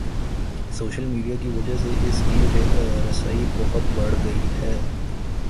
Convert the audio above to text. Social media کی وجہ سے اس کی رسائی بہت بڑھ گئی ہے۔